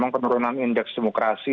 dan penurunan indeks demokrasi